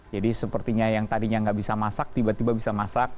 sepertinya yang tadinya nggak bisa masak tiba tiba bisa masak